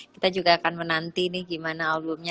kita juga akan menanti nih gimana albumnya